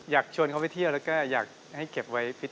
อยากชวนเขาไปเที่ยวแล้วก็อยากให้เก็บไว้ฟิต